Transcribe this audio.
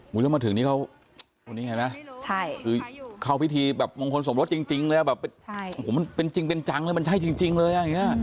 เรื่องมาถึงนี้เขานี่มันไงล่ะครอบพิธีมงคลสมรสจริงเลยมันเป็นจริงจังเลยมันใช่จริงเลย